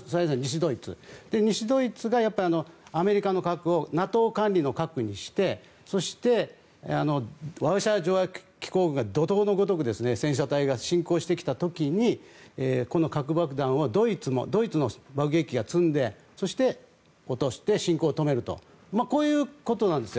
特に西ドイツがアメリカの核をＮＡＴＯ管理の核にしてそして、ワルシャワ条約機構が怒涛のごとく戦車隊が侵攻してきた時にこの核爆弾をドイツの爆撃機が積んでそして落として侵攻を止めるとこういうことなんです。